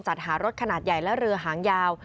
จัดหารถขนาดใหญ่และเรือหางยาว